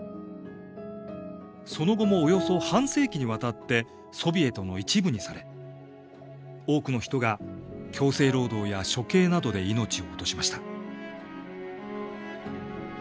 その後もおよそ半世紀にわたってソビエトの一部にされ多くの人が強制労働や処刑などで命を落としました。